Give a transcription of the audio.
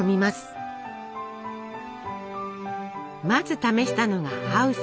まず試したのが「ハウス」。